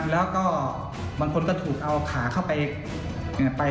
แล้วก็บางคนก็ถูกเอาขาเข้าไป